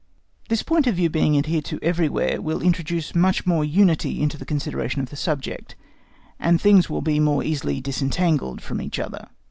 This point of view being adhered to everywhere, will introduce much more unity into the consideration of the subject, and things will be more easily disentangled from each other.